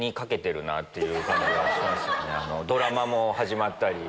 ドラマも始まったり。